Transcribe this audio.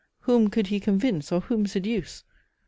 Whom could he convince, or whom seduce?